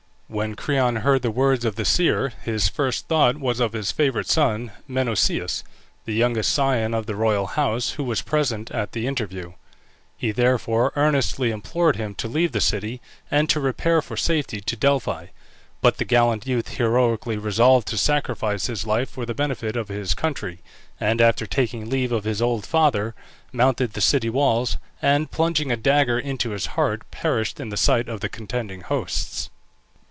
When Creon heard the words of the seer his first thought was of his favourite son Menoeceus, the youngest scion of the royal house, who was present at the interview. He therefore earnestly implored him to leave the city, and to repair for safety to Delphi. But the gallant youth heroically resolved to sacrifice his life for the benefit of his country, and after taking leave of his old father, mounted the city walls, and plunging a dagger into his heart, perished in the sight of the contending hosts.